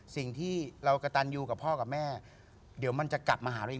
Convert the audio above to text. สิ่งที่เรากระตันอยู่กับพ่อกับแม่เดี๋ยวมันจะกลับมาหาเราอีก